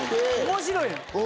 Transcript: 面白いの。